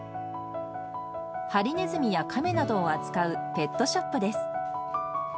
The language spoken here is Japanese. ハリネズミや亀などを扱うペットショップです。